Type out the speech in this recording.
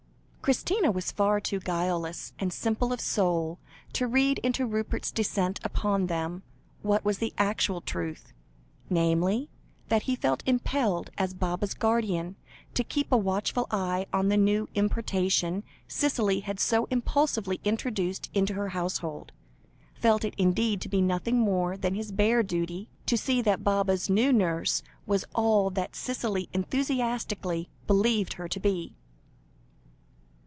Christina was far too guileless and simple of soul to read into Rupert's descent upon them, what was the actual truth namely, that he felt impelled, as Baba's guardian, to keep a watchful eye upon the new importation Cicely had so impulsively introduced into her household; felt it indeed to be nothing more than his bare duty, to see that Baba's new nurse was all that Cicely enthusiastically believed her to be.